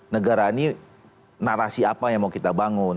negara ini narasi apa yang mau kita bangun